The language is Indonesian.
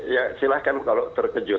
ya silahkan kalau terkejut